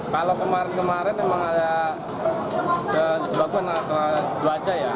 kalau kemarin kemarin memang ada kesebabkan cuaca ya